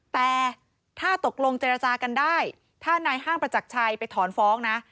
แต่ถ้าตกลงเจรจากันได้ถ้านายห้างประจักรชัยไปถอนฟ้องนะ